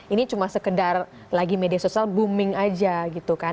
ini cuma sekedar lagi media sosial booming aja gitu kan